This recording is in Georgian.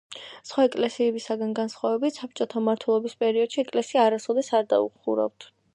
სხვა ეკლესიებისაგან განსხვავებით საბჭოთა მმართველობის პერიოდში ეკლესია არასოდეს არ დაუხურავთ.